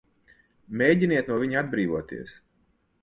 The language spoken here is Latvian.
Mēģiniet no viņa atbrīvoties!